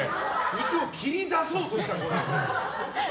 肉を切り出そうとした。